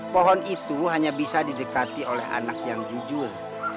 pohon itu hanya bisa didekati oleh anak yang jujur